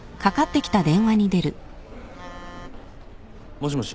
もしもし。